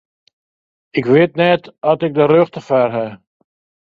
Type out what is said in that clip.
Ik wit net oft ik de rjochte foar haw.